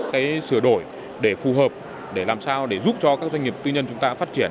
cái sửa đổi để phù hợp để làm sao để giúp cho các doanh nghiệp tư nhân chúng ta phát triển